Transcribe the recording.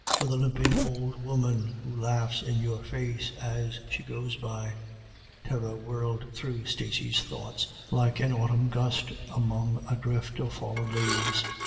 Or the limping old woman, who laughs in your face as she goes by ? Terror whirled through Stacey's thoughts like an autumn gust among a drift of fallen leaves.